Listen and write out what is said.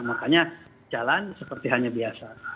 makanya jalan seperti hanya biasa